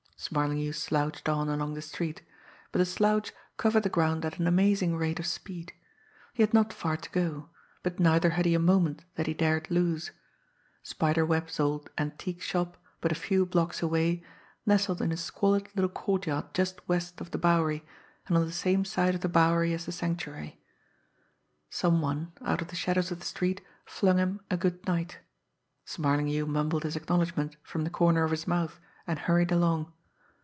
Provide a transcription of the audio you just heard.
Smarlinghue slouched on along the street, but the "slouch" covered the ground at an amazing rate of speed. He had not far to go but neither had he a moment that he dared lose. Spider Webb's old antique shop, but a few blocks away, nestled in a squalid little courtyard just west of the Bowery, and on the same side of the Bowery as the Sanctuary. Some one, out of the shadows of the street, flung him a good night. Smarlinghue mumbled his acknowledgment from the corner of his mouth, and hurried along.